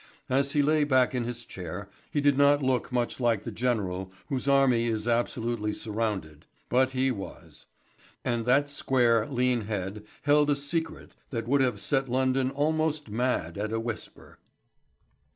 As he lay back in his chair he did not look much like the general whose army is absolutely surrounded, but he was. And that square, lean head held a secret that would have set London almost mad at a whisper.